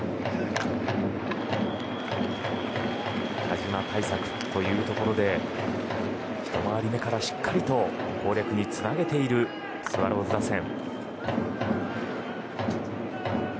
田嶋対策というところで一回り目からしっかりと攻略につなげているスワローズ打線。